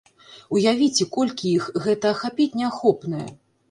Уявіце, колькі іх, гэта ахапіць неахопнае.